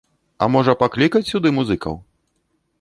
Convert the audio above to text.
А можа, паклікаць сюды музыкаў?